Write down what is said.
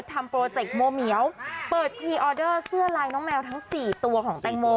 โปรเจคโมเหมียวเปิดพรีออเดอร์เสื้อลายน้องแมวทั้ง๔ตัวของแตงโม